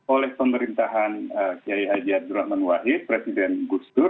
oleh pemerintahan kiai haji abdurrahman wahid presiden gus dur